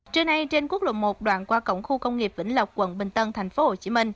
trưa nay trên quốc lộ một đoạn qua cổng khu công nghiệp vĩnh lộc quận bình tân tp hcm